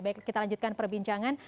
baik kita lanjutkan perbincangan